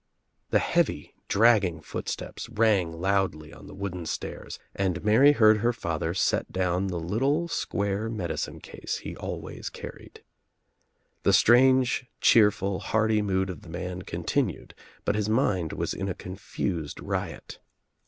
The heavy dragging footsteps rang loudly on the wooden stairs and Mary heard her father set down the little square medicine case he always carried. The Strange cheerful hearty mood of the man continued but his mind was in a confused riot.